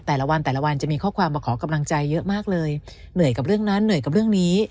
แต่ละวันแต่ละวันจะมีข้อความมาขอกำลังใจเยอะมากเลยเหนื่อยกับเรื่องนั้นเหนื่อยกับเรื่องนี้